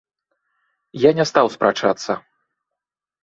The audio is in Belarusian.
Я не стаў спрачацца.